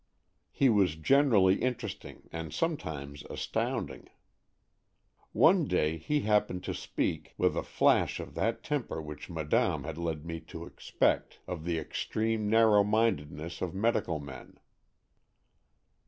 He was generally interesting, and sometimes astounding. One day he happened to speak, 8 AN EXCHANGE OF SOULS with a flash of that temper which Madame had led me to expect, of the extreme narrow mindedness of medical men.